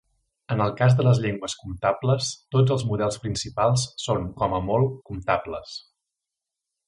En el cas de les llengües comptables, tots els models principals són com a molt comptables.